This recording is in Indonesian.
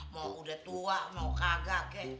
mau udah tua mau kagak